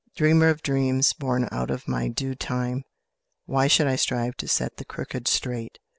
"Dreamer of dreams, born out of my due time, Why should I strive to set the crooked straight?